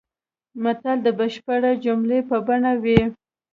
متل د بشپړې جملې په بڼه وي